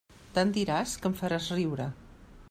Tant diràs, que em faràs riure.